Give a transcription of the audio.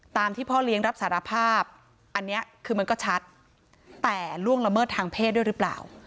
ที่พ่อเลี้ยงรับสารภาพอันนี้คือมันก็ชัดแต่ล่วงละเมิดทางเพศด้วยหรือเปล่า